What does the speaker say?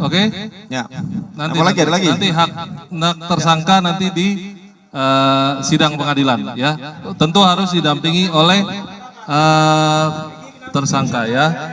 oke nanti hak tersangka nanti di sidang pengadilan ya tentu harus didampingi oleh tersangka ya